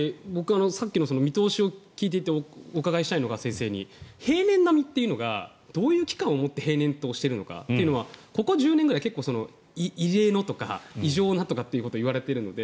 さっきの見通しを聞いていて先生にお伺いしたのは平年並みっていうのがどういう期間をもって平年としているのか。というのはここ１０年ぐらい異例のというか異常とかいわれているので